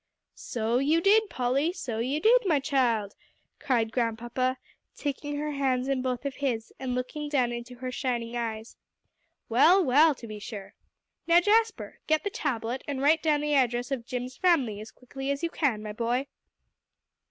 "So you did, Polly; so you did, my child," cried Grandpapa, taking her hands in both of his, and looking down into her shining eyes; "well, well, to be sure. Now, Jasper, get the tablet, and write down the address of Jim's family as quickly as you can, my boy."